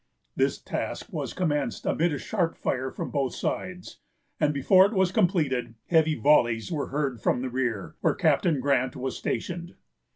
This task was commenced amid a sharp fire from both sides; and before it was completed, heavy volleys were heard from the rear, where Captain Grant was stationed.